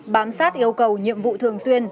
bám sát yêu cầu nhiệm vụ thường xuyên